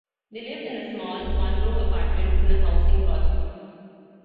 They lived in a small, one-room apartment in a housing project.